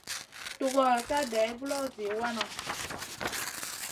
Tugor ka day guloʼo zi wana.